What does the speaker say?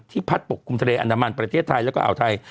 พัดปกคลุมทะเลอันดามันประเทศไทยแล้วก็อ่าวไทย